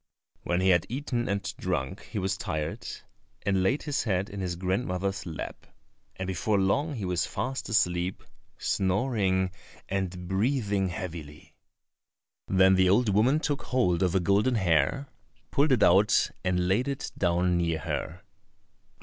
When he had eaten and drunk he was tired, and laid his head in his grandmother's lap, and before long he was fast asleep, snoring and breathing heavily. Then the old woman took hold of a golden hair, pulled it out, and laid it down near her.